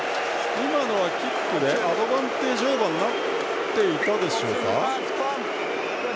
今のはキックでアドバンテージオーバーになっていたでしょうか。